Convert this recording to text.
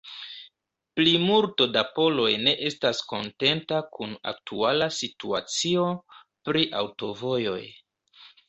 Plimulto da poloj ne estas kontenta kun aktuala situacio pri aŭtovojoj.